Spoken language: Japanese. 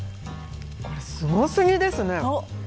これ、すご過ぎですね。